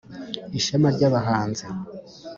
ishema ry’abahanzi